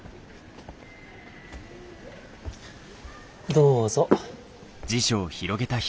どうぞ。